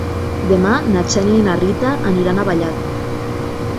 Demà na Xènia i na Rita aniran a Vallat.